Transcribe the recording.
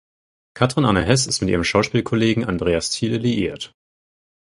Katrin Anne Heß ist mit ihrem Schauspielkollegen Andreas Thiele liiert.